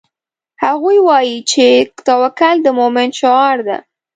هغوی وایي چې توکل د مومن شعار ده